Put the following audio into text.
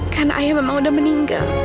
karena ayah memang udah meninggal